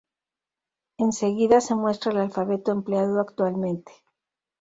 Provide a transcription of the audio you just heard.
En seguida se muestra el alfabeto empleado actualmente.